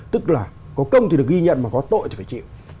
tức là có công thì được ghi nhận mà có tội thì phải chịu